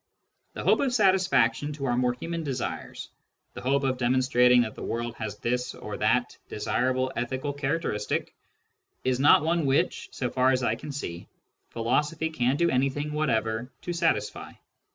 The hope of satisfaction to our more human desires — ^the hope of demonstrating that the world has this or that desirable ethical character istic — is not one which, so far as I can see, philosophy can do anything whatever to satisfy.